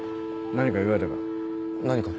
何か言われたか？